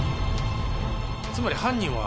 「つまり犯人は」